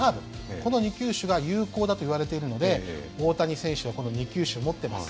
この２球種が有効だといわれているので大谷選手はこの２球種を持っています。